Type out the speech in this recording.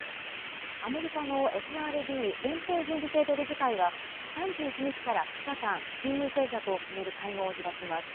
アメリカのＦＲＢ・連邦準備制度理事会は、３１日から２日間、金融政策を決める会合を開きます。